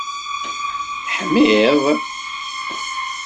Teḥmiḍ?